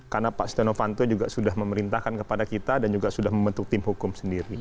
karena pak steno panto juga sudah memerintahkan kepada kita dan juga sudah membentuk tim hukum sendiri